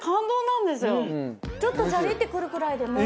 ちょっとジャリってくるくらいでも。